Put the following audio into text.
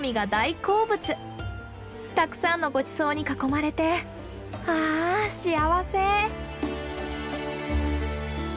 たくさんのごちそうに囲まれてああ幸せ！